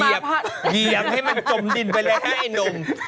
เหยียบให้มันจมดินไปเลยนะไอ้หนุ่ม